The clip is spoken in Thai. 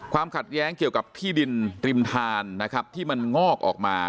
ขัดแย้งเกี่ยวกับที่ดินริมทานนะครับที่มันงอกออกมา